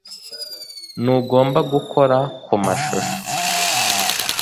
Ntugomba gukora ku mashusho